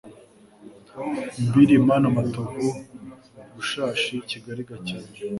Mbirima na Matovu Rushashi Kigali Gakenke